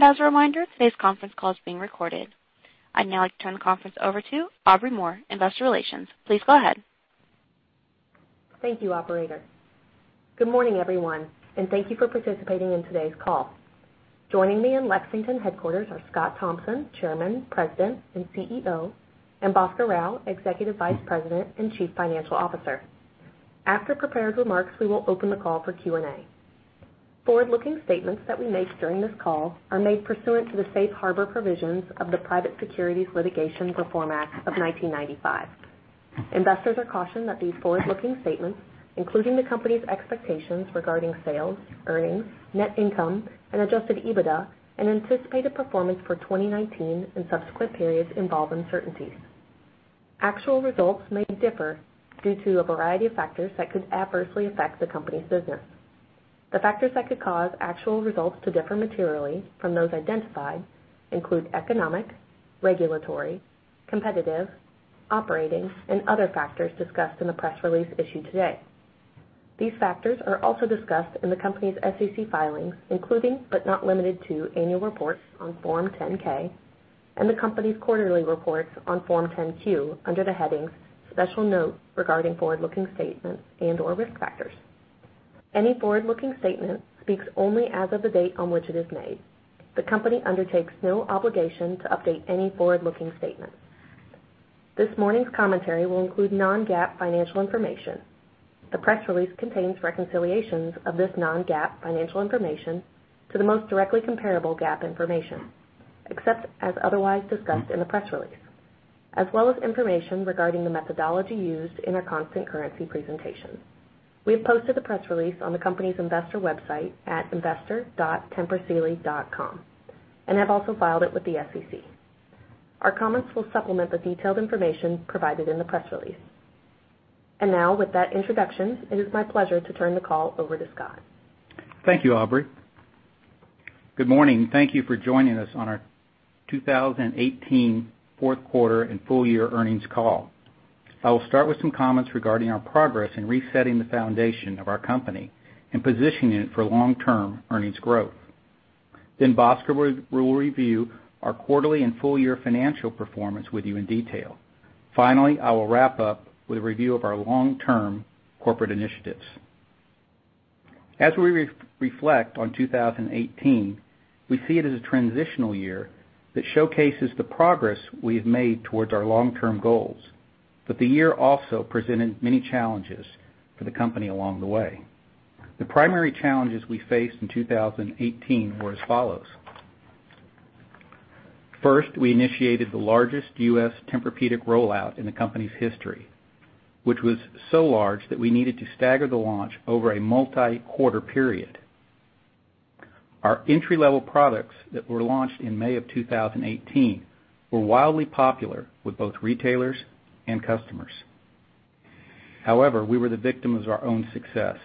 As a reminder, today's conference call is being recorded. I'd now like to turn the conference over to Aubrey Moore, investor relations. Please go ahead. Thank you, operator. Good morning, everyone, and thank you for participating in today's call. Joining me in Lexington headquarters are Scott Thompson, Chairman, President, and CEO, and Bhaskar Rao, Executive Vice President and Chief Financial Officer. After prepared remarks, we will open the call for Q&A. Forward-looking statements that we make during this call are made pursuant to the safe harbor provisions of the Private Securities Litigation Reform Act of 1995. Investors are cautioned that these forward-looking statements, including the company's expectations regarding sales, earnings, net income, and Adjusted EBITDA, and anticipated performance for 2019 and subsequent periods involve uncertainties. Actual results may differ due to a variety of factors that could adversely affect the company's business. The factors that could cause actual results to differ materially from those identified include economic, regulatory, competitive, operating, and other factors discussed in the press release issued today. These factors are also discussed in the company's SEC filings, including but not limited to annual reports on Form 10-K and the company's quarterly reports on Form 10-Q under the headings "Special Note Regarding Forward-Looking Statements" and/or "Risk Factors." Any forward-looking statement speaks only as of the date on which it is made. The company undertakes no obligation to update any forward-looking statement. This morning's commentary will include non-GAAP financial information. The press release contains reconciliations of this non-GAAP financial information to the most directly comparable GAAP information, except as otherwise discussed in the press release, as well as information regarding the methodology used in our constant currency presentation. We have posted the press release on the company's investor website at investor.tempursealy.com and have also filed it with the SEC. Our comments will supplement the detailed information provided in the press release. Now, with that introduction, it is my pleasure to turn the call over to Scott. Thank you, Aubrey. Good morning, and thank you for joining us on our 2018 fourth quarter and full year earnings call. I will start with some comments regarding our progress in resetting the foundation of our company and positioning it for long-term earnings growth. Bhaskar will review our quarterly and full year financial performance with you in detail. Finally, I will wrap up with a review of our long-term corporate initiatives. As we reflect on 2018, we see it as a transitional year that showcases the progress we have made towards our long-term goals, but the year also presented many challenges for the company along the way. The primary challenges we faced in 2018 were as follows. First, we initiated the largest U.S. Tempur-Pedic rollout in the company's history, which was so large that we needed to stagger the launch over a multi-quarter period. Our entry-level products that were launched in May of 2018 were wildly popular with both retailers and customers. However, we were the victim of our own success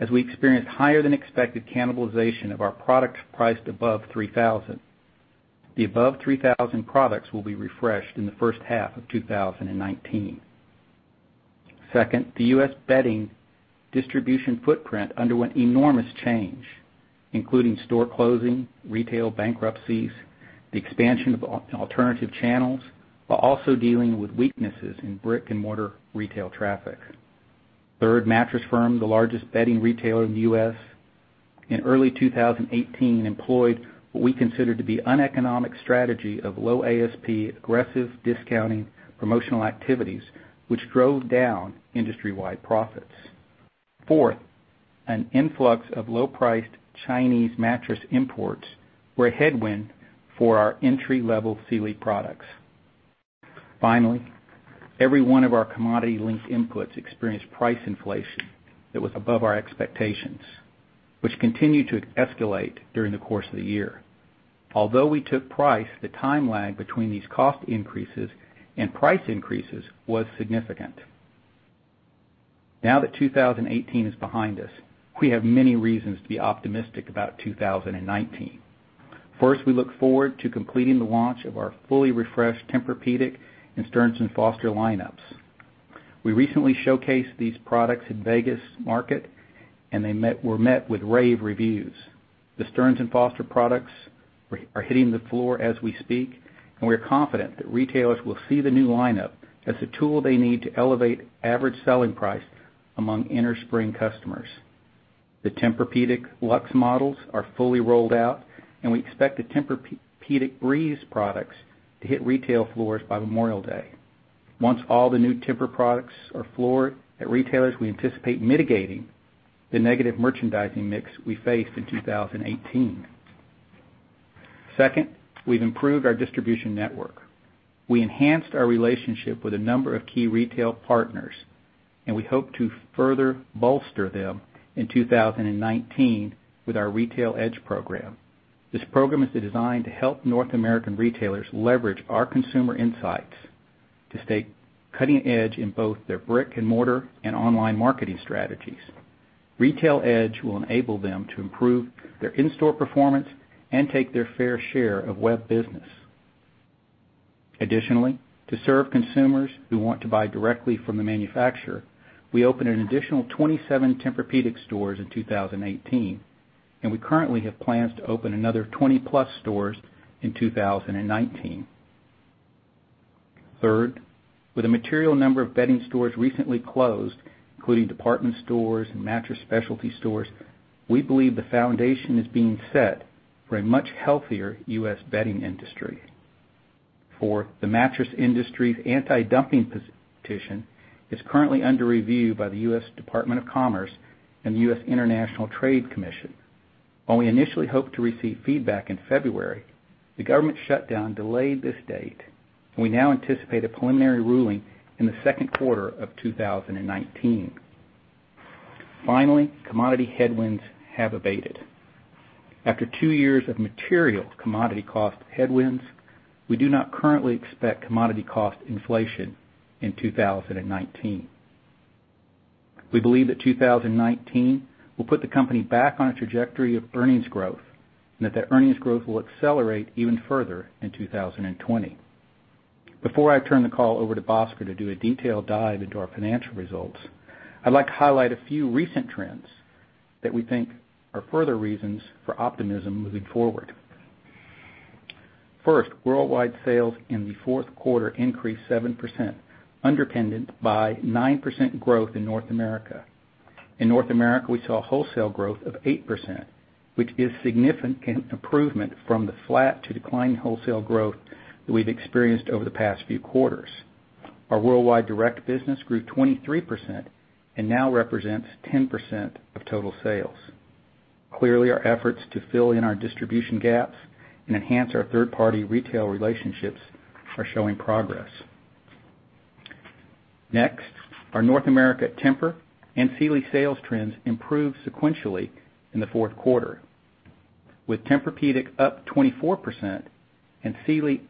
as we experienced higher than expected cannibalization of our products priced above $3,000. The above $3,000 products will be refreshed in the first half of 2019. Second, the U.S. bedding distribution footprint underwent enormous change, including store closing, retail bankruptcies, the expansion of alternative channels, while also dealing with weaknesses in brick-and-mortar retail traffic. Third, Mattress Firm, the largest bedding retailer in the U.S., in early 2018 employed what we consider to be uneconomic strategy of low ASP, aggressive discounting promotional activities, which drove down industry-wide profits. Fourth, an influx of low-priced Chinese mattress imports were a headwind for our entry-level Sealy products. Finally, every one of our commodity-linked inputs experienced price inflation that was above our expectations, which continued to escalate during the course of the year. Although we took price, the time lag between these cost increases and price increases was significant. Now that 2018 is behind us, we have many reasons to be optimistic about 2019. First, we look forward to completing the launch of our fully refreshed Tempur-Pedic and Stearns & Foster lineups. We recently showcased these products in Vegas Market, and they were met with rave reviews. The Stearns & Foster products are hitting the floor as we speak, and we're confident that retailers will see the new lineup as the tool they need to elevate average selling price among innerspring customers. The Tempur-Pedic Luxe models are fully rolled out, and we expect the TEMPUR-breeze products to hit retail floors by Memorial Day. Once all the new Tempur products are floored at retailers, we anticipate mitigating the negative merchandising mix we faced in 2018. Second, we've improved our distribution network. We enhanced our relationship with a number of key retail partners, and we hope to further bolster them in 2019 with our Retail Edge program. This program is designed to help North American retailers leverage our consumer insights to stay cutting edge in both their brick-and-mortar and online marketing strategies. Retail Edge will enable them to improve their in-store performance and take their fair share of web business. Additionally, to serve consumers who want to buy directly from the manufacturer, we opened an additional 27 Tempur-Pedic stores in 2018, and we currently have plans to open another 20-plus stores in 2019. Third, with a material number of bedding stores recently closed, including department stores and mattress specialty stores, we believe the foundation is being set for a much healthier U.S. bedding industry. Fourth, the mattress industry's anti-dumping petition is currently under review by the U.S. Department of Commerce and the U.S. International Trade Commission. While we initially hoped to receive feedback in February, the government shutdown delayed this date, and we now anticipate a preliminary ruling in the second quarter of 2019. Finally, commodity headwinds have abated. After two years of material commodity cost headwinds, we do not currently expect commodity cost inflation in 2019. We believe that 2019 will put the company back on a trajectory of earnings growth and that the earnings growth will accelerate even further in 2020. Before I turn the call over to Bhaskar to do a detailed dive into our financial results, I'd like to highlight a few recent trends that we think are further reasons for optimism moving forward. First, worldwide sales in the fourth quarter increased 7%, underpinned by 9% growth in North America. In North America, we saw wholesale growth of 8%, which is significant improvement from the flat to decline wholesale growth that we've experienced over the past few quarters. Our worldwide direct business grew 23% and now represents 10% of total sales. Clearly, our efforts to fill in our distribution gaps and enhance our third-party retail relationships are showing progress. Next, our North America Tempur and Sealy sales trends improved sequentially in the fourth quarter, with Tempur-Pedic up 24% and Sealy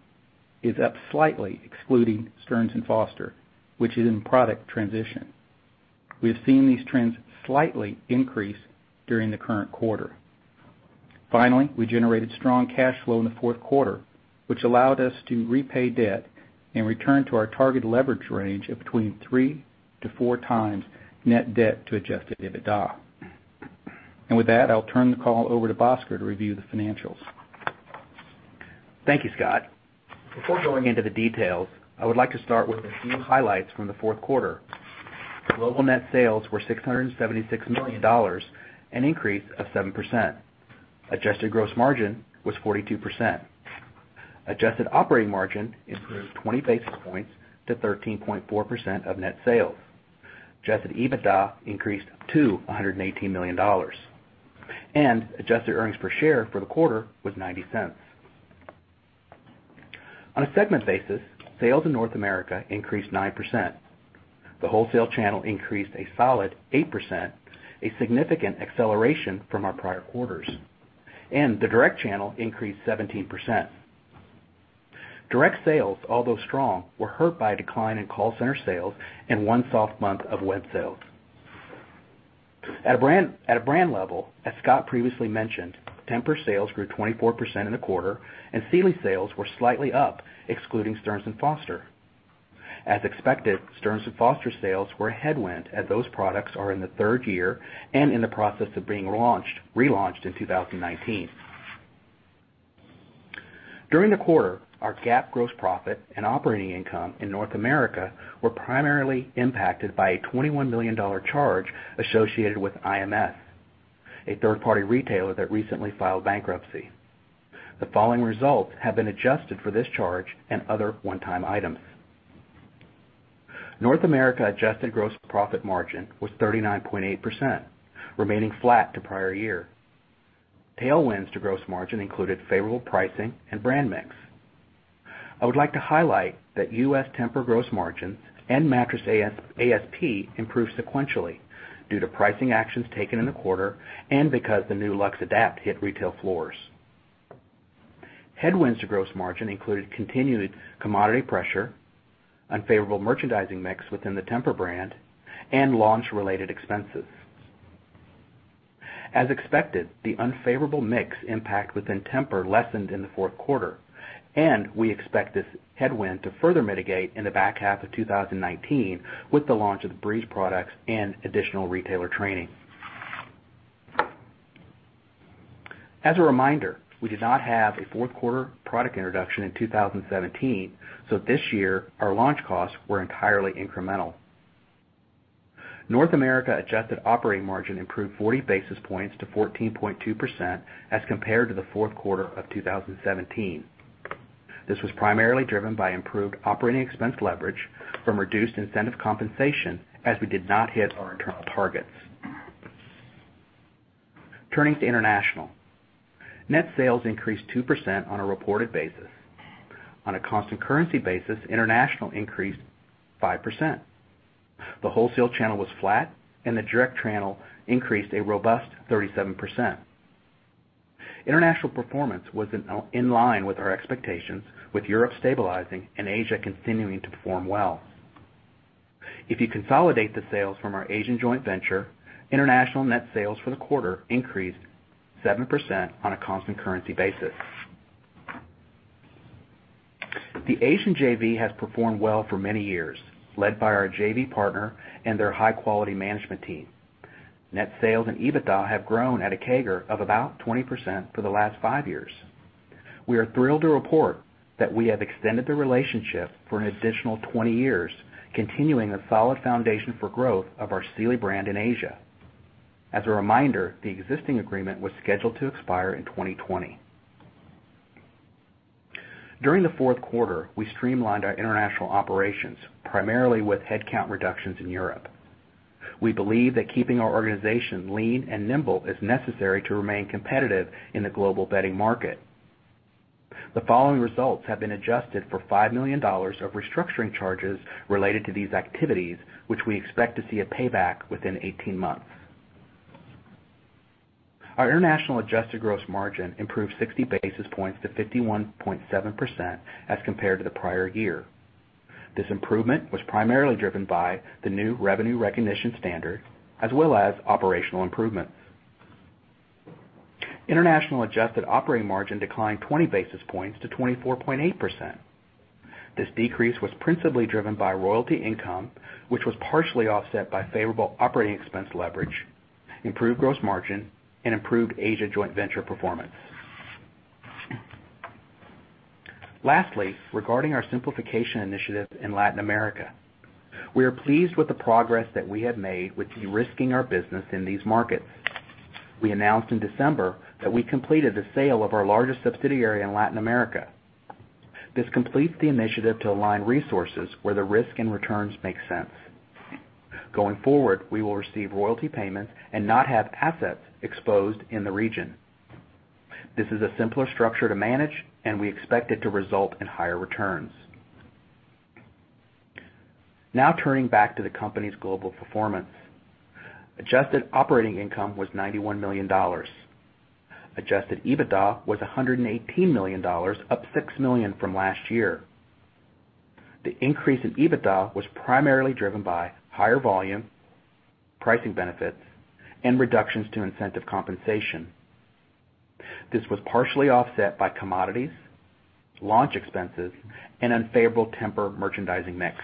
is up slightly, excluding Stearns & Foster, which is in product transition. We have seen these trends slightly increase during the current quarter. Finally, we generated strong cash flow in the fourth quarter, which allowed us to repay debt and return to our target leverage range of between 3 to 4 times net debt to Adjusted EBITDA. With that, I'll turn the call over to Bhaskar to review the financials. Thank you, Scott. Before going into the details, I would like to start with a few highlights from the fourth quarter. Global net sales were $676 million, an increase of 7%. Adjusted gross margin was 42%. Adjusted operating margin improved 20 basis points to 13.4% of net sales. Adjusted EBITDA increased to $118 million. Adjusted earnings per share for the quarter was $0.90. On a segment basis, sales in North America increased 9%. The wholesale channel increased a solid 8%, a significant acceleration from our prior quarters. The direct channel increased 17%. Direct sales, although strong, were hurt by a decline in call center sales and one soft month of web sales. At a brand level, as Scott previously mentioned, Tempur sales grew 24% in the quarter, and Sealy sales were slightly up, excluding Stearns & Foster. As expected, Stearns & Foster sales were a headwind, as those products are in the third year and in the process of being relaunched in 2019. During the quarter, our GAAP gross profit and operating income in North America were primarily impacted by a $21 million charge associated with iMS, a third-party retailer that recently filed bankruptcy. The following results have been adjusted for this charge and other one-time items. North America adjusted gross profit margin was 39.8%, remaining flat to prior year. Tailwinds to gross margin included favorable pricing and brand mix. I would like to highlight that U.S. Tempur gross margin and mattress ASP improved sequentially due to pricing actions taken in the quarter and because the new LuxeAdapt hit retail floors. Headwinds to gross margin included continued commodity pressure, unfavorable merchandising mix within the Tempur brand, and launch-related expenses. As expected, the unfavorable mix impact within Tempur lessened in the fourth quarter, and we expect this headwind to further mitigate in the back half of 2019 with the launch of the TEMPUR-breeze products and additional retailer training. As a reminder, we did not have a fourth quarter product introduction in 2017, so this year, our launch costs were entirely incremental. North America adjusted operating margin improved 40 basis points to 14.2% as compared to the fourth quarter of 2017. This was primarily driven by improved operating expense leverage from reduced incentive compensation, as we did not hit our internal targets. Turning to international. Net sales increased 2% on a reported basis. On a constant currency basis, international increased 5%. The wholesale channel was flat and the direct channel increased a robust 37%. International performance was in line with our expectations with Europe stabilizing and Asia continuing to perform well. If you consolidate the sales from our Asian joint venture, international net sales for the quarter increased 7% on a constant currency basis. The Asian JV has performed well for many years, led by our JV partner and their high-quality management team. Net sales and EBITDA have grown at a CAGR of about 20% for the last five years. We are thrilled to report that we have extended the relationship for an additional 20 years, continuing a solid foundation for growth of our Sealy brand in Asia. As a reminder, the existing agreement was scheduled to expire in 2020. During the fourth quarter, we streamlined our international operations, primarily with headcount reductions in Europe. We believe that keeping our organization lean and nimble is necessary to remain competitive in the global bedding market. The following results have been adjusted for $5 million of restructuring charges related to these activities, which we expect to see a payback within 18 months. Our international adjusted gross margin improved 60 basis points to 51.7% as compared to the prior year. This improvement was primarily driven by the new revenue recognition standard as well as operational improvements. International adjusted operating margin declined 20 basis points to 24.8%. This decrease was principally driven by royalty income, which was partially offset by favorable operating expense leverage, improved gross margin, and improved Asia joint venture performance. Lastly, regarding our simplification initiative in Latin America, we are pleased with the progress that we have made with de-risking our business in these markets. We announced in December that we completed the sale of our largest subsidiary in Latin America. This completes the initiative to align resources where the risk and returns make sense. We will receive royalty payments and not have assets exposed in the region. This is a simpler structure to manage, and we expect it to result in higher returns. Now, turning back to the company's global performance. Adjusted operating income was $91 million. Adjusted EBITDA was $118 million, up $6 million from last year. The increase in EBITDA was primarily driven by higher volume, pricing benefits, and reductions to incentive compensation. This was partially offset by commodities, launch expenses, and unfavorable Tempur merchandising mix.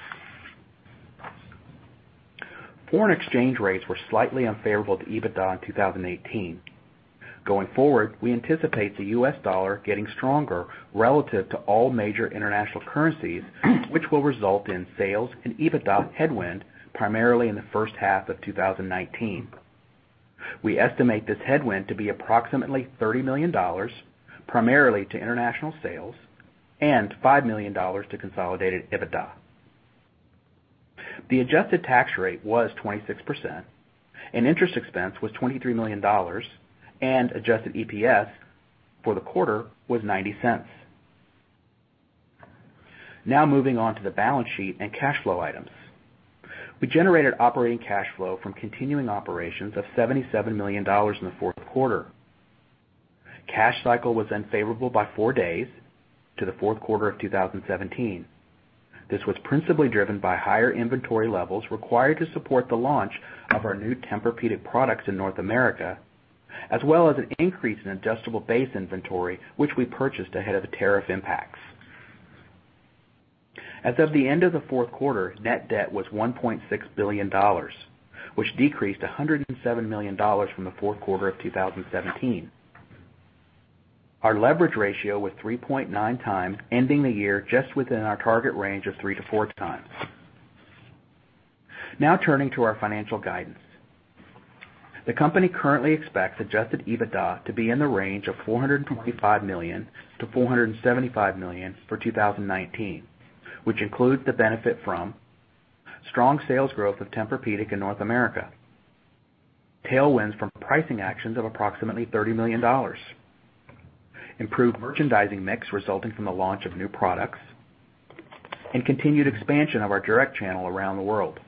Foreign exchange rates were slightly unfavorable to EBITDA in 2018. Going forward, we anticipate the U.S. dollar getting stronger relative to all major international currencies, which will result in sales and EBITDA headwind primarily in the first half of 2019. We estimate this headwind to be approximately $30 million, primarily to international sales and $5 million to consolidated EBITDA. The adjusted tax rate was 26% and interest expense was $23 million and adjusted EPS for the quarter was $0.90. Now moving on to the balance sheet and cash flow items. We generated operating cash flow from continuing operations of $77 million in the fourth quarter. Cash cycle was unfavorable by four days to the fourth quarter of 2017. This was principally driven by higher inventory levels required to support the launch of our new Tempur-Pedic products in North America, as well as an increase in adjustable base inventory, which we purchased ahead of the tariff impacts. As of the end of the fourth quarter, net debt was $1.6 billion, which decreased $107 million from the fourth quarter of 2017. Our leverage ratio was 3.9 times, ending the year just within our target range of 3 to 4 times. Turning to our financial guidance. The company currently expects Adjusted EBITDA to be in the range of $425 million-$475 million for 2019, which includes the benefit from strong sales growth of Tempur-Pedic in North America, tailwinds from pricing actions of approximately $30 million, improved merchandising mix resulting from the launch of new products, and continued expansion of our direct channel around the world,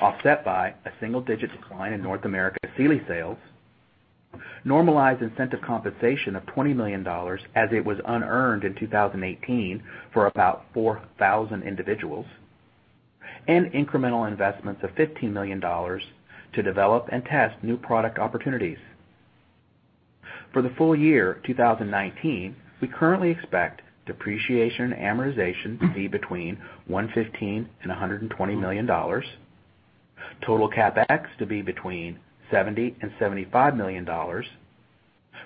offset by a single-digit decline in North America Sealy sales, normalized incentive compensation of $20 million as it was unearned in 2018 for about 4,000 individuals, and incremental investments of $15 million to develop and test new product opportunities. For the full year 2019, we currently expect depreciation and amortization to be between $115 million-$120 million, total CapEx to be between $70 million-$75 million,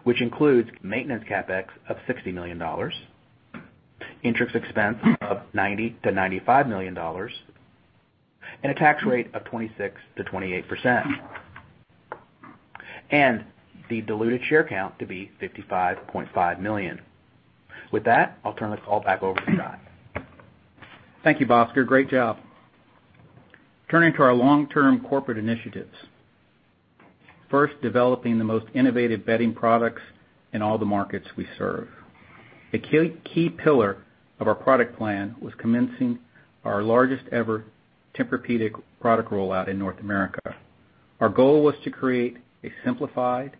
which includes maintenance CapEx of $60 million, interest expense of $90 million-$95 million, and a tax rate of 26%-28%, and the diluted share count to be 55.5 million. With that, I'll turn this all back over to Scott. Thank you, Bhaskar. Great job. Turning to our long-term corporate initiatives. First, developing the most innovative bedding products in all the markets we serve. A key pillar of our product plan was commencing our largest ever Tempur-Pedic product rollout in North America. Our goal was to create a simplified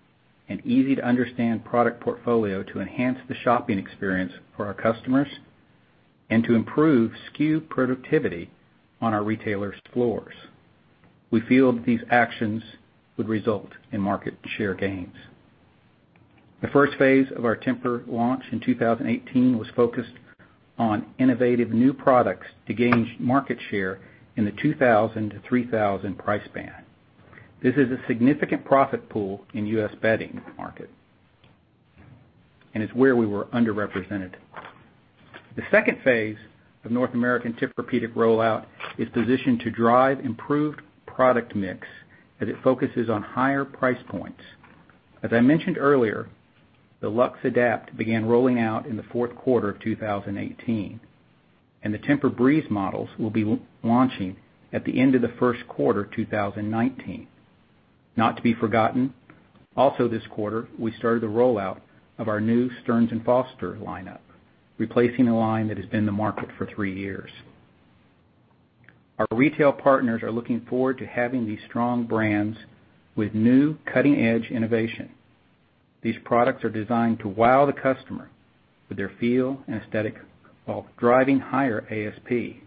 and easy to understand product portfolio to enhance the shopping experience for our customers and to improve SKU productivity on our retailers' floors. We feel these actions would result in market share gains. The first phase of our Tempur launch in 2018 was focused on innovative new products to gain market share in the $2,000-$3,000 price band. This is a significant profit pool in U.S. bedding market, and it's where we were underrepresented. The second phase of North American Tempur-Pedic rollout is positioned to drive improved product mix as it focuses on higher price points. As I mentioned earlier, the LuxeAdapt began rolling out in the fourth quarter of 2018, and the TEMPUR-breeze models will be launching at the end of the first quarter 2019. Not to be forgotten, also this quarter, we started the rollout of our new Stearns & Foster lineup, replacing a line that has been in the market for three years. Our retail partners are looking forward to having these strong brands with new cutting-edge innovation. These products are designed to wow the customer with their feel and aesthetic while driving higher ASP.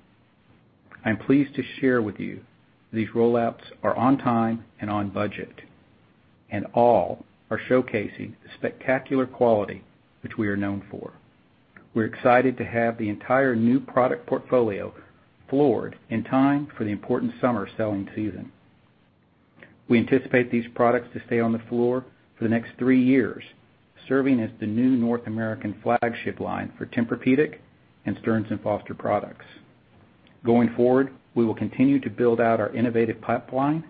I'm pleased to share with you these rollouts are on time and on budget, and all are showcasing the spectacular quality which we are known for. We're excited to have the entire new product portfolio floored in time for the important summer selling season. We anticipate these products to stay on the floor for the next three years, serving as the new North American flagship line for Tempur-Pedic and Stearns & Foster products. Going forward, we will continue to build out our innovative pipeline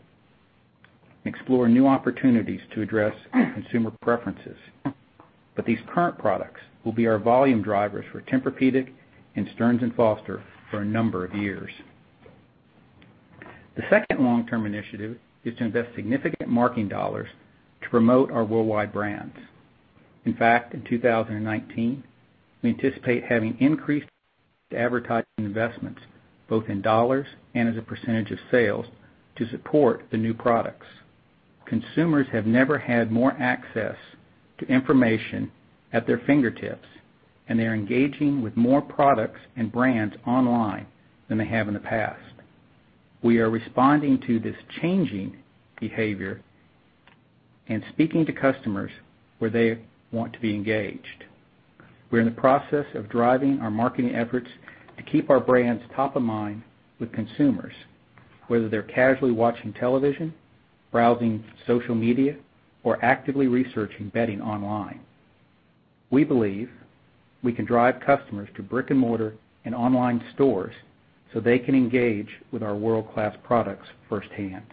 and explore new opportunities to address consumer preferences. These current products will be our volume drivers for Tempur-Pedic and Stearns & Foster for a number of years. The second long-term initiative is to invest significant marketing dollars to promote our worldwide brands. In fact, in 2019, we anticipate having increased advertising investments, both in dollars and as a percentage of sales, to support the new products. Consumers have never had more access to information at their fingertips, and they're engaging with more products and brands online than they have in the past. We are responding to this changing behavior and speaking to customers where they want to be engaged. We're in the process of driving our marketing efforts to keep our brands top of mind with consumers, whether they're casually watching television, browsing social media, or actively researching bedding online. We believe we can drive customers to brick-and-mortar and online stores so they can engage with our world-class products firsthand.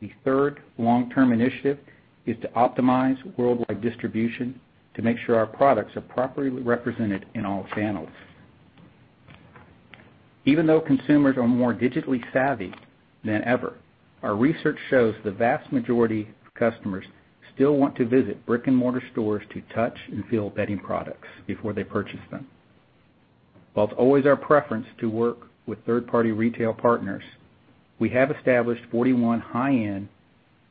The third long-term initiative is to optimize worldwide distribution to make sure our products are properly represented in all channels. Even though consumers are more digitally savvy than ever, our research shows the vast majority of customers still want to visit brick-and-mortar stores to touch and feel bedding products before they purchase them. While it's always our preference to work with third-party retail partners, we have established 41 high-end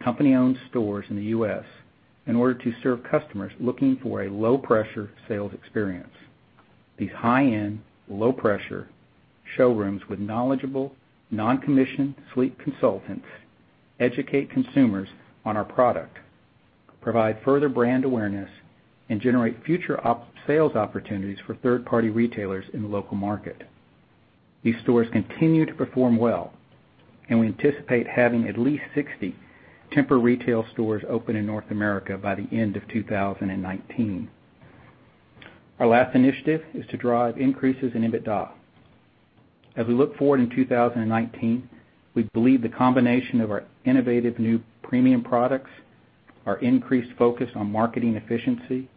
company-owned stores in the U.S. in order to serve customers looking for a low-pressure sales experience. These high-end, low-pressure showrooms with knowledgeable non-commission sleep consultants educate consumers on our product, provide further brand awareness, and generate future sales opportunities for third-party retailers in the local market. These stores continue to perform well, and we anticipate having at least 60 Tempur retail stores open in North America by the end of 2019. Our last initiative is to drive increases in EBITDA. As we look forward in 2019, we believe the combination of our innovative new premium products, our increased focus on marketing efficiency,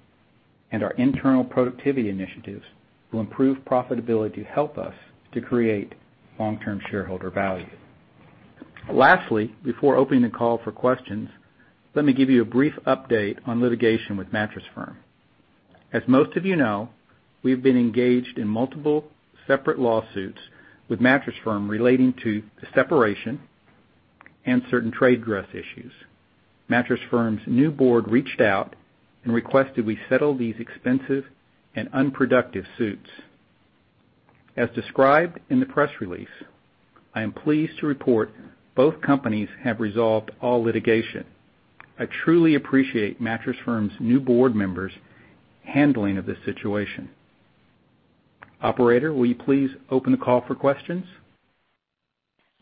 and our internal productivity initiatives will improve profitability to help us to create long-term shareholder value. Lastly, before opening the call for questions, let me give you a brief update on litigation with Mattress Firm. As most of you know, we've been engaged in multiple separate lawsuits with Mattress Firm relating to the separation and certain trade dress issues. Mattress Firm's new board reached out and requested we settle these expensive and unproductive suits. As described in the press release, I am pleased to report both companies have resolved all litigation. I truly appreciate Mattress Firm's new board members' handling of this situation. Operator, will you please open the call for questions?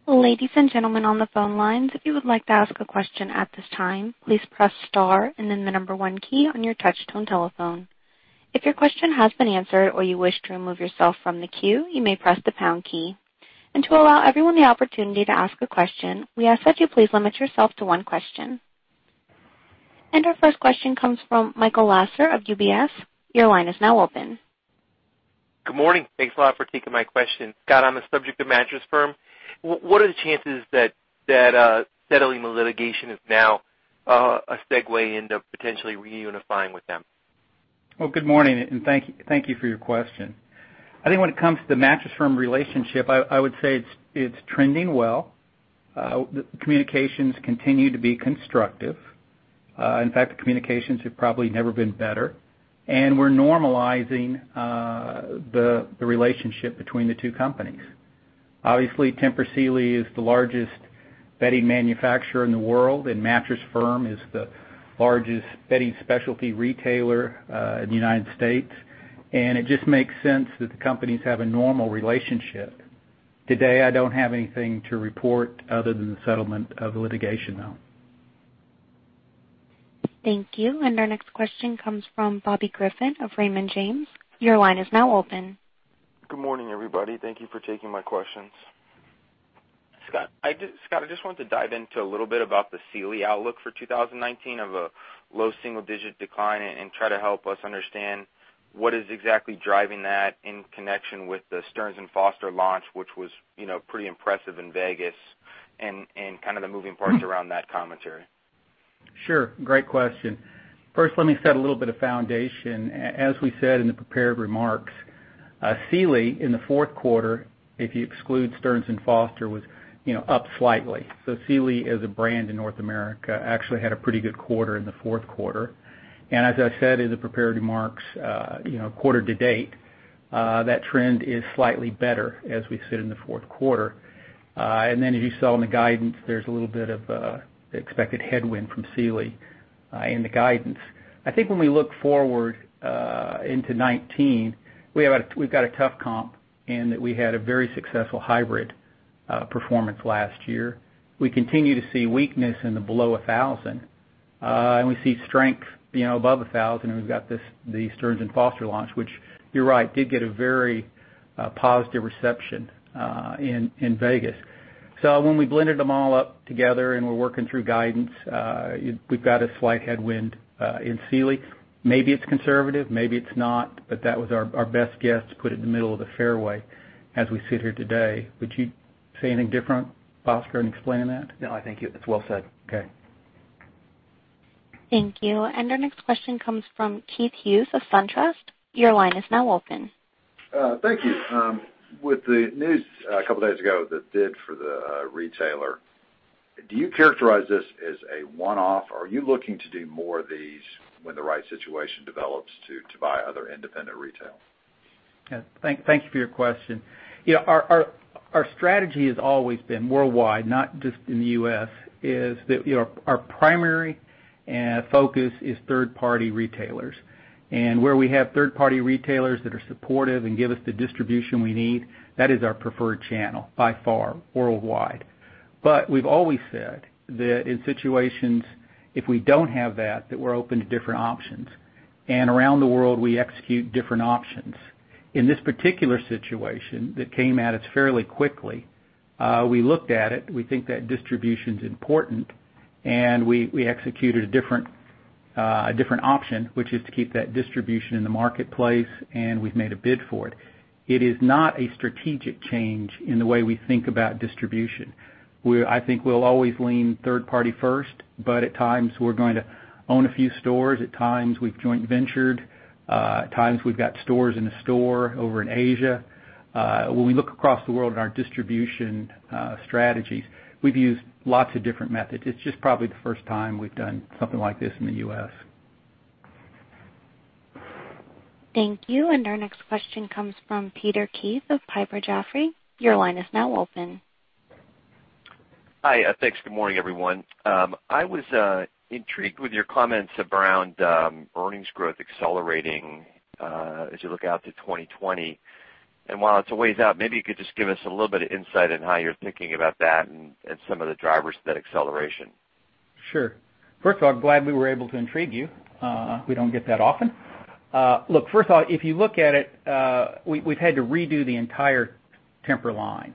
Ladies and gentlemen on the phone lines, if you would like to ask a question at this time, please press star and then the number one key on your touch-tone telephone. If your question has been answered or you wish to remove yourself from the queue, you may press the pound key. To allow everyone the opportunity to ask a question, we ask that you please limit yourself to one question. Our first question comes from Michael Lasser of UBS. Your line is now open. Good morning. Thanks a lot for taking my question. Scott, on the subject of Mattress Firm, what are the chances that, settling the litigation is now a segue into potentially reunifying with them? Well, good morning, and thank you for your question. I think when it comes to the Mattress Firm relationship, I would say it's trending well. The communications continue to be constructive. In fact, the communications have probably never been better. We're normalizing the relationship between the two companies. Obviously, Tempur Sealy is the largest bedding manufacturer in the world, and Mattress Firm is the largest bedding specialty retailer in the U.S. It just makes sense that the companies have a normal relationship. Today, I don't have anything to report other than the settlement of the litigation, though. Thank you. Our next question comes from Bobby Griffin of Raymond James. Your line is now open. Good morning, everybody. Thank you for taking my questions. Scott, I just wanted to dive into a little bit about the Sealy outlook for 2019 of a low single-digit decline and try to help us understand what is exactly driving that in connection with the Stearns & Foster launch, which was, you know, pretty impressive in Vegas and kind of the moving parts around that commentary. Sure. Great question. First, let me set a little bit of foundation. As we said in the prepared remarks, Sealy in the fourth quarter, if you exclude Stearns & Foster, was, you know, up slightly. Sealy as a brand in North America actually had a pretty good quarter in the fourth quarter. As I said in the prepared remarks, you know, quarter to date, that trend is slightly better as we sit in the fourth quarter. As you saw in the guidance, there's a little bit of expected headwind from Sealy in the guidance. I think when we look forward into 2019, we've got a tough comp in that we had a very successful hybrid performance last year. We continue to see weakness in the below 1,000. We see strength, you know, above $1,000, and we've got this, the Stearns & Foster launch, which you're right, did get a very positive reception in Vegas. When we blended them all up together and we're working through guidance, we've got a slight headwind in Sealy. Maybe it's conservative, maybe it's not, that was our best guess to put it in the middle of the fairway as we sit here today. Would you say anything different, Foster, in explaining that? No, I think it's well said. Okay. Thank you. Our next question comes from Keith Hughes of SunTrust. Thank you. With the news a couple days ago, the bid for the retailer, do you characterize this as a one-off, or are you looking to do more of these when the right situation develops to buy other independent retailers? Yeah. Thank you for your question. You know, our strategy has always been worldwide, not just in the U.S., is that, you know, our primary focus is third-party retailers. Where we have third-party retailers that are supportive and give us the distribution we need, that is our preferred channel by far worldwide. We've always said that in situations, if we don't have that we're open to different options. Around the world, we execute different options. In this particular situation that came at us fairly quickly, we looked at it, we think that distribution's important, and we executed a different option, which is to keep that distribution in the marketplace, and we've made a bid for it. It is not a strategic change in the way we think about distribution. I think we'll always lean third party first, but at times we're going to own a few stores. At times we've joint ventured. At times we've got stores in a store over in Asia. When we look across the world at our distribution strategies, we've used lots of different methods. It's just probably the first time we've done something like this in the U.S. Thank you. Our next question comes from Peter Keith of Piper Jaffray. Your line is now open. Hi. Thanks. Good morning, everyone. I was intrigued with your comments around earnings growth accelerating as you look out to 2020. While it's a ways out, maybe you could just give us a little bit of insight on how you're thinking about that and some of the drivers of that acceleration. Sure. First of all, glad we were able to intrigue you. We don't get that often. Look, first of all, if you look at it, we've had to redo the entire Tempur line.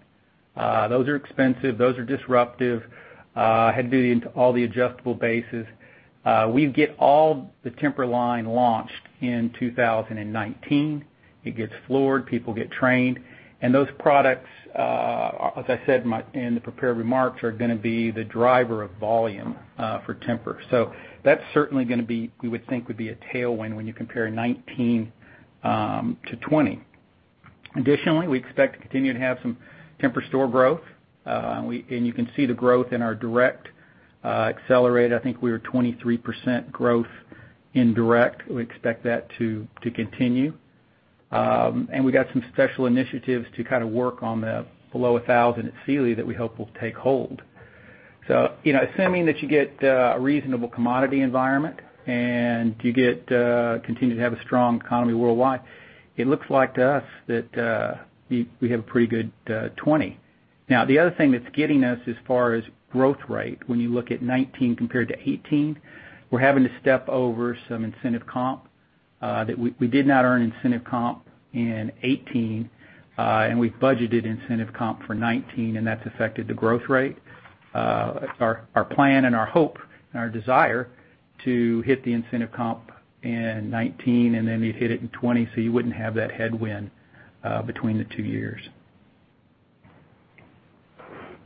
Those are expensive. Those are disruptive. Had to do all the adjustable bases. We get all the Tempur line launched in 2019. It gets floored. People get trained. Those products, as I said in my prepared remarks, are gonna be the driver of volume for Tempur. That's certainly gonna be, we would think, would be a tailwind when you compare 2019 to 2020. Additionally, we expect to continue to have some Tempur store growth. You can see the growth in our direct accelerate. I think we were 23% growth in direct. We expect that to continue. We got some special initiatives to kind of work on the below 1,000 at Sealy that we hope will take hold. You know, assuming that you get a reasonable commodity environment and you get continue to have a strong economy worldwide, it looks like to us that we have a pretty good '20. Now, the other thing that's getting us as far as growth rate, when you look at '19 compared to '18, we're having to step over some incentive comp that we did not earn incentive comp in '18. We've budgeted incentive comp for '19, and that's affected the growth rate. Our plan and our hope and our desire to hit the incentive comp in '19 and then hit it in '20, so you wouldn't have that headwind between the two years.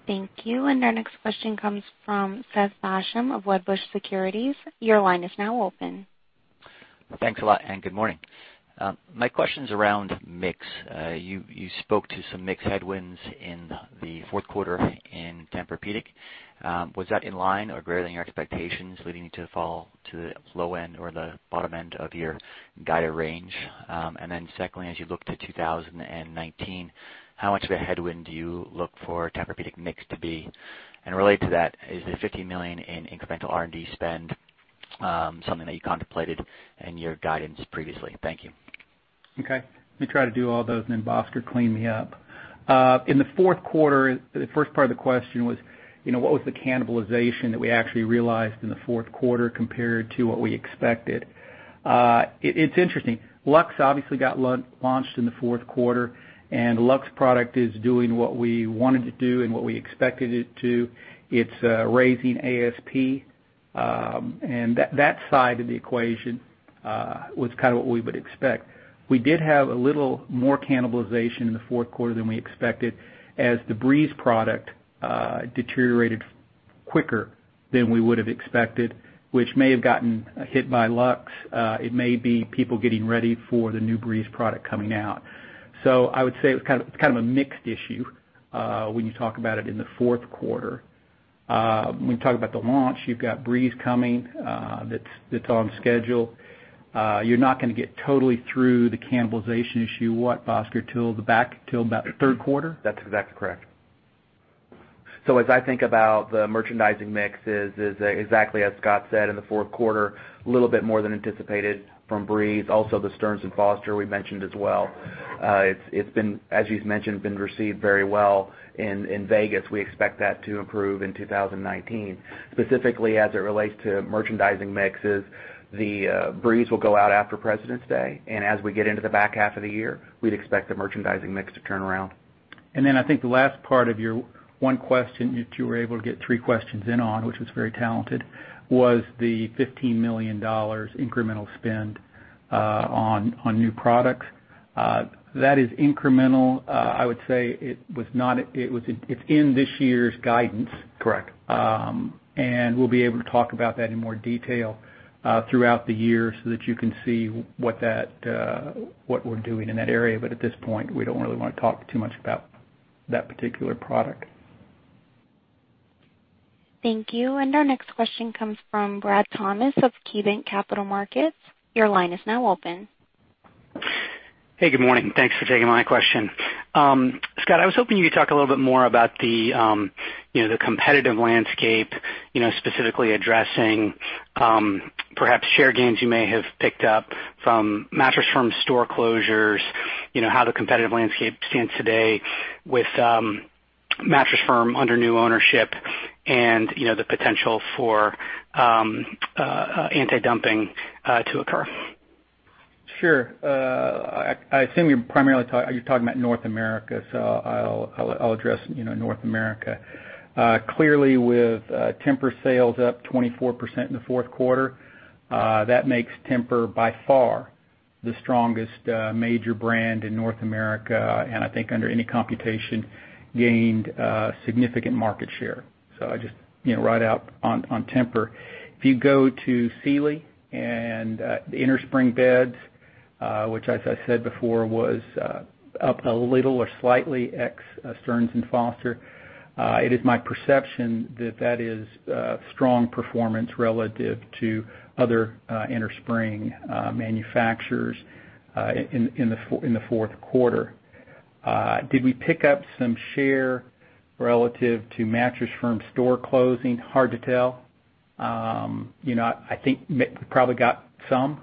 Thank you. Our next question comes from Seth Basham of Wedbush Securities. Your line is now open. Thanks a lot, and good morning. My question's around mix. You spoke to some mix headwinds in the fourth quarter in Tempur-Pedic. Was that in line or greater than your expectations leading to the fall to the low end or the bottom end of your guided range? Secondly, as you look to 2019, how much of a headwind do you look for Tempur-Pedic mix to be? Related to that, is the $50 million in incremental R&D spend, something that you contemplated in your guidance previously? Thank you. Okay. Let me try to do all those, and then Bhaskar clean me up. In the fourth quarter, the first part of the question was, you know, what was the cannibalization that we actually realized in the fourth quarter compared to what we expected? It's interesting. Luxe obviously got launched in the fourth quarter. Luxe product is doing what we want it to do and what we expected it to. It's raising ASP, and that side of the equation was kind of what we would expect. We did have a little more cannibalization in the fourth quarter than we expected as the Breeze product deteriorated quicker than we would have expected, which may have gotten hit by Luxe. It may be people getting ready for the new Breeze product coming out. I would say it was kind of a mixed issue, when you talk about it in the fourth quarter. When you talk about the launch, you've got Breeze coming, that's on schedule. You're not gonna get totally through the cannibalization issue, what, Bhaskar, till about the third quarter? That's exactly correct. As I think about the merchandising mix is exactly as Scott said in the fourth quarter, a little bit more than anticipated from Breeze, also the Stearns & Foster we mentioned as well. It's been, as you've mentioned, been received very well in Vegas. We expect that to improve in 2019. Specifically as it relates to merchandising mixes, the Breeze will go out after Presidents' Day, and as we get into the back half of the year, we'd expect the merchandising mix to turn around. I think the last part of your one question, that you were able to get three questions in on, which was very talented, was the $15 million incremental spend on new products. That is incremental. I would say it is in this year's guidance. Correct. We'll be able to talk about that in more detail throughout the year so that you can see what that, what we're doing in that area. At this point, we don't really wanna talk too much about that particular product. Thank you. Our next question comes from Brad Thomas of KeyBanc Capital Markets. Your line is now open. Hey, good morning. Thanks for taking my question. Scott, I was hoping you could talk a little bit more about the, you know, the competitive landscape, you know, specifically addressing, perhaps share gains you may have picked up from Mattress Firm store closures, you know, how the competitive landscape stands today with Mattress Firm under new ownership and, you know, the potential for anti-dumping to occur? Sure. I assume you're primarily you're talking about North America, so I'll, I'll address, you know, North America. Clearly with Tempur sales up 24% in the fourth quarter, that makes Tempur by far the strongest major brand in North America, and I think under any computation gained significant market share. I just, you know, right out on Tempur. If you go to Sealy and the innerspring beds, which as I said before was up a little or slightly ex Stearns & Foster, it is my perception that that is strong performance relative to other innerspring manufacturers in the fourth quarter. Did we pick up some share relative to Mattress Firm store closing? Hard to tell. You know, I think we probably got some,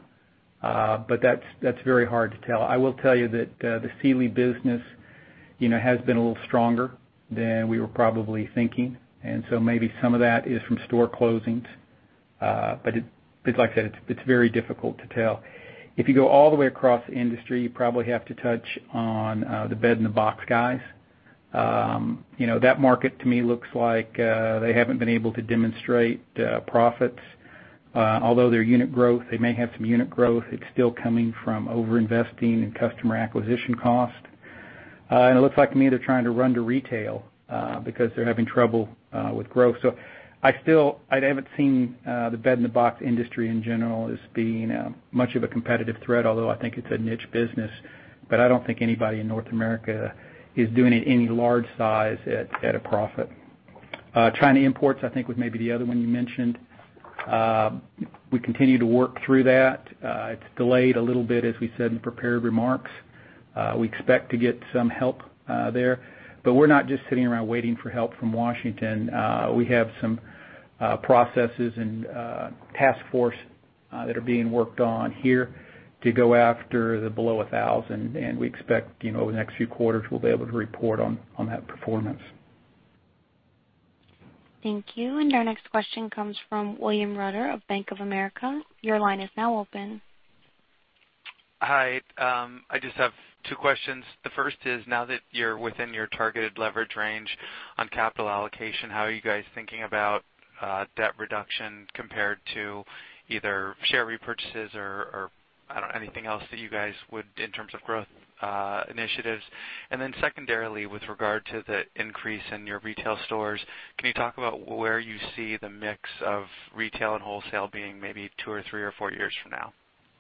but that's very hard to tell. I will tell you that, the Sealy business, you know, has been a little stronger than we were probably thinking. Maybe some of that is from store closings. It's like I said, it's very difficult to tell. If you go all the way across the industry, you probably have to touch on the bed-in-a-box guys. You know, that market to me looks like they haven't been able to demonstrate profits. Their unit growth, they may have some unit growth, it's still coming from overinvesting in customer acquisition cost. It looks like to me they're trying to run to retail because they're having trouble with growth. I haven't seen the bed-in-a-box industry in general as being much of a competitive threat, although I think it's a niche business. I don't think anybody in North America is doing it any large size at a profit. China imports, I think was maybe the other one you mentioned. We continue to work through that. It's delayed a little bit, as we said in prepared remarks. We expect to get some help there. We're not just sitting around waiting for help from Washington. We have some processes and task force that are being worked on here to go after the below $1,000, and we expect, you know, over the next few quarters, we'll be able to report on that performance. Thank you. Our next question comes from William Reuter of Bank of America. Your line is now open. Hi. I just have two questions. The first is, now that you're within your targeted leverage range on capital allocation, how are you guys thinking about debt reduction compared to either share repurchases or, I don't know, anything else that you guys would in terms of growth initiatives. Secondarily, with regard to the increase in your retail stores, can you talk about where you see the mix of retail and wholesale being maybe two or three or four years from now?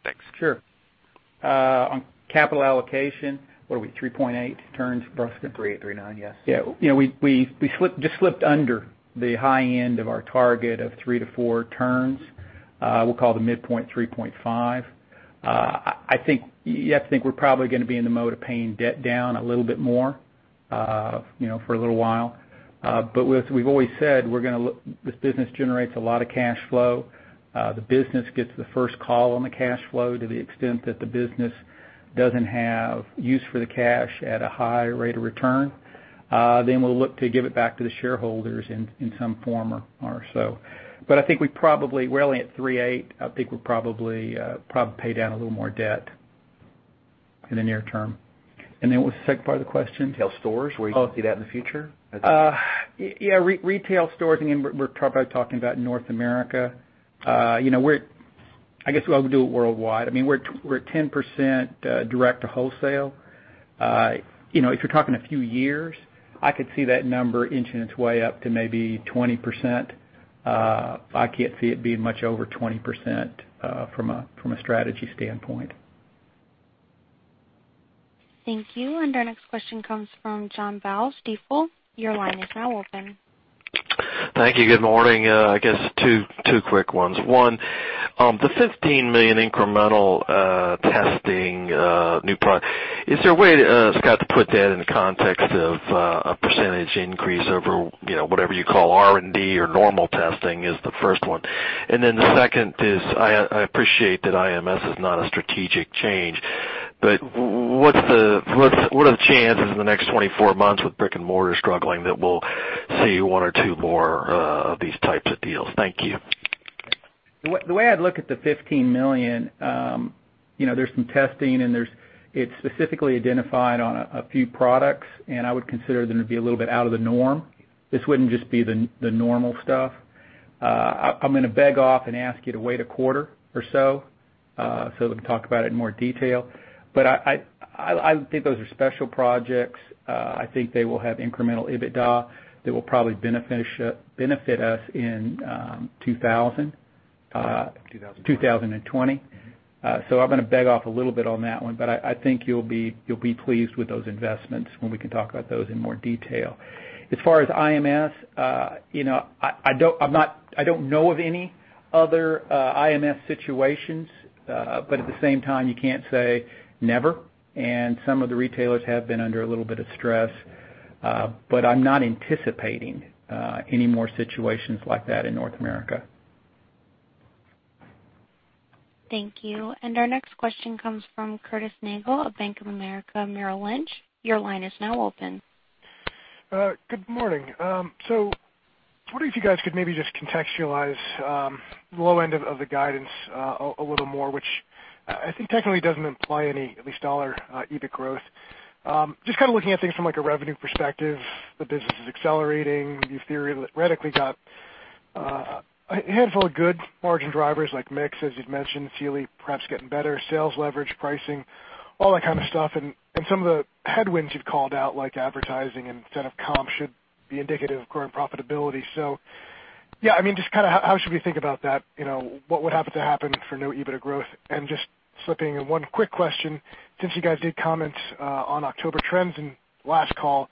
Thanks. Sure. On capital allocation, what are we, 3.8 turns, Bhaskar? 3.8, yes. Yeah. You know, we just slipped under the high end of our target of 3-4 turns. We'll call the midpoint 3.5. You have to think we're probably gonna be in the mode of paying debt down a little bit more, you know, for a little while. As we've always said, this business generates a lot of cash flow. The business gets the first call on the cash flow to the extent that the business doesn't have use for the cash at a high rate of return. Then we'll look to give it back to the shareholders in some form or so. I think we're only at 3.8. I think we'll probably pay down a little more debt in the near term. What's the second part of the question? Retail stores, where you see that in the future? Yeah, retail stores, again, we're talking about North America. You know, I guess we'll do it worldwide. I mean, we're at 10% direct to wholesale. You know, if you're talking a few years, I could see that number inching its way up to maybe 20%. I can't see it being much over 20% from a strategy standpoint. Thank you. Our next question comes from John Baugh, Stifel. Your line is now open. Thank you. Good morning. I guess two quick ones. One, the $15 million incremental testing, is there a way, Scott, to put that in the context of a percentage increase over, you know, whatever you call R&D or normal testing, is the first one. The second is, I appreciate that iMS is not a strategic change, but what's the, what are the chances in the next 24 months with brick-and-mortar struggling that we'll see one or two more of these types of deals? Thank you. The way I'd look at the $15 million, you know, there's some testing and it's specifically identified on a few products, and I would consider them to be a little bit out of the norm. This wouldn't just be the normal stuff. I'm gonna beg off and ask you to wait a quarter or so we can talk about it in more detail. I, I think those are special projects. I think they will have incremental EBITDA that will probably benefit us in 2000. 2020. 2020. I'm gonna beg off a little bit on that one, but I think you'll be pleased with those investments when we can talk about those in more detail. As far as iMS, you know, I don't know of any other iMS situations, but at the same time, you can't say never, some of the retailers have been under a little bit of stress. I'm not anticipating any more situations like that in North America. Thank you. Our next question comes from Curtis Nagle of Bank of America Merrill Lynch. Your line is now open. Good morning. Wondering if you guys could maybe just contextualize the low end of the guidance a little more, which I think technically doesn't imply any, at least dollar EBIT growth. Just kind of looking at things from like a revenue perspective, the business is accelerating. You've theoretically got a handful of good margin drivers like mix, as you'd mentioned, Sealy perhaps getting better, sales leverage, pricing, all that kind of stuff. Some of the headwinds you've called out, like advertising and incentive comp, should be indicative of current profitability. Yeah, I mean, just kind of how should we think about that? You know, what would have to happen for no EBITDA growth? Just slipping in one quick question, since you guys did comment on October trends in last call,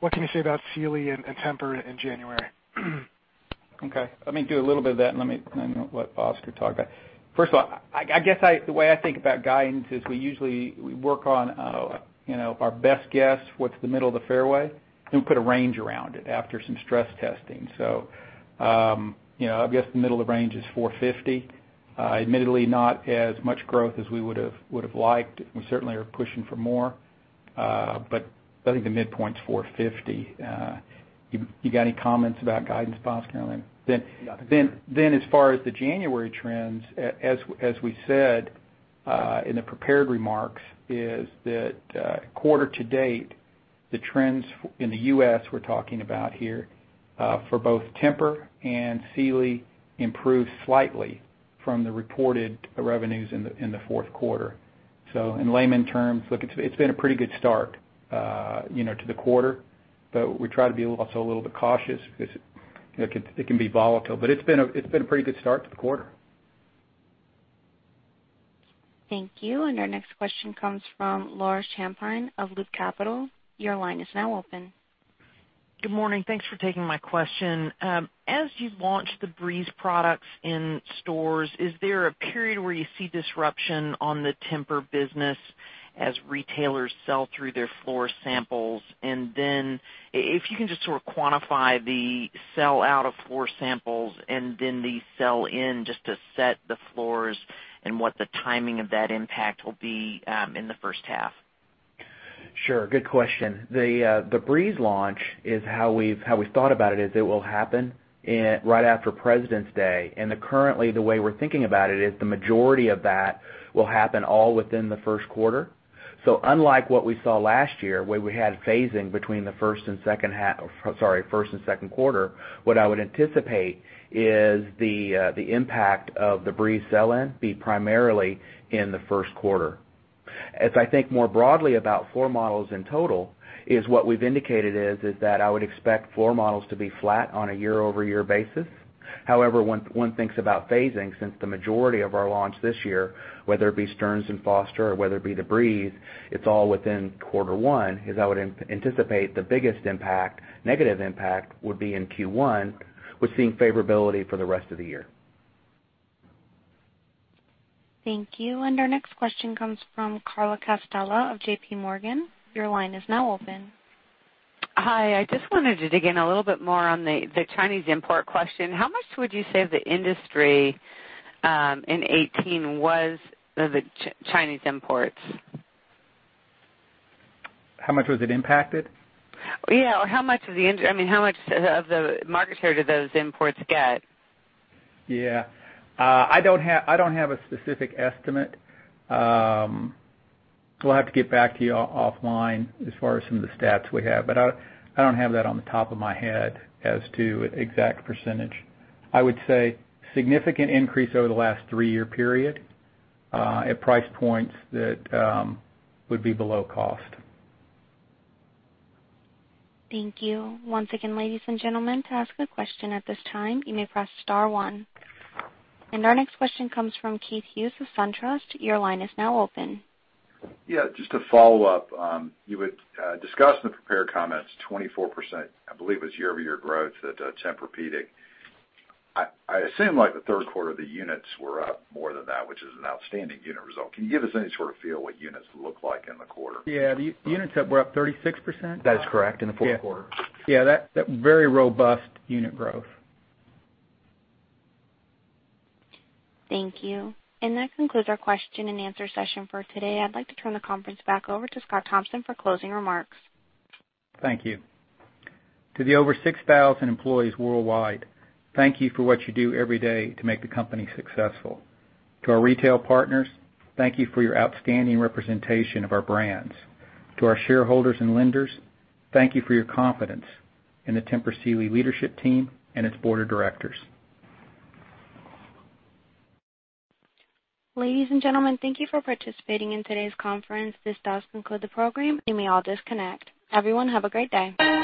what can you say about Sealy and Tempur in January? Okay. Let me do a little bit of that, and let me, and then let Bhaskar talk about it. First of all, I guess the way I think about guidance is we usually work on, you know, our best guess, what's the middle of the fairway, then we put a range around it after some stress testing. You know, I guess the middle of range is $450. Admittedly not as much growth as we would've liked. We certainly are pushing for more, but I think the midpoint's $450. You got any comments about guidance, Bhaskar, on that? No. As far as the January trends, as we said in the prepared remarks, is that quarter to date, the trends in the U.S. we're talking about here for both Tempur and Sealy improved slightly from the reported revenues in the fourth quarter. In layman terms, look, it's been a pretty good start, you know, to the quarter, but we try to be also a little bit cautious because, you know, it can be volatile. It's been a pretty good start to the quarter. Thank you. Our next question comes from Laura Champine of Loop Capital. Your line is now open. Good morning. Thanks for taking my question. As you launch the TEMPUR-breeze products in stores, is there a period where you see disruption on the Tempur business as retailers sell through their floor samples? If you can just sort of quantify the sell-out of floor samples and then the sell-in just to set the floors and what the timing of that impact will be in the first half. Sure. Good question. The TEMPUR-breeze launch is how we've thought about it, is it will happen right after President's Day. Currently, the way we're thinking about it is the majority of that will happen all within the first quarter. Unlike what we saw last year, where we had phasing between the first and second quarter, what I would anticipate is the impact of the TEMPUR-breeze sell-in be primarily in the first quarter. As I think more broadly about floor models in total is what we've indicated is that I would expect floor models to be flat on a year-over-year basis. However, when one thinks about phasing, since the majority of our launch this year, whether it be Stearns & Foster or whether it be the Breeze, it's all within quarter one, is I would anticipate the biggest impact, negative impact would be in Q1. We're seeing favorability for the rest of the year. Thank you. Our next question comes from Carla Casella of JPMorgan. Your line is now open. Hi. I just wanted to dig in a little bit more on the Chinese import question. How much would you say the industry in 2018 was the Chinese imports? How much was it impacted? Yeah, or how much of the I mean, how much of the market share do those imports get? Yeah. I don't have a specific estimate. We'll have to get back to you offline as far as some of the stats we have. I don't have that off the top of my head as to exact percentage. I would say significant increase over the last three-year period, at price points that would be below cost. Thank you. Once again, ladies and gentlemen, to ask a question at this time, you may press star one. Our next question comes from Keith Hughes of SunTrust. Your line is now open. Just to follow up, you had discussed in the prepared comments 24%, I believe, was year-over-year growth at Tempur-Pedic. I assume like the third quarter, the units were up more than that, which is an outstanding unit result. Can you give us any sort of feel what units look like in the quarter? Yeah, the units that were up 36%? That is correct, in the fourth quarter. Yeah. Yeah, that very robust unit growth. Thank you. That concludes our question-and-answer session for today. I'd like to turn the conference back over to Scott Thompson for closing remarks. Thank you. To the over 6,000 employees worldwide, thank you for what you do every day to make the company successful. To our retail partners, thank you for your outstanding representation of our brands. To our shareholders and lenders, thank you for your confidence in the Tempur Sealy leadership team and its board of directors. Ladies and gentlemen, thank you for participating in today's conference. This does conclude the program. You may all disconnect. Everyone, have a great day.